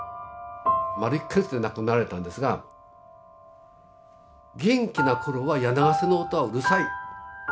丸１か月で亡くなられたんですが「元気な頃は柳ケ瀬の音はうるさい。